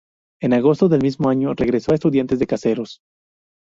En agosto del mismo año regresó a Estudiantes de Caseros.